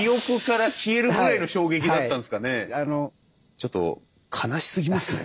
ちょっと悲しすぎますね。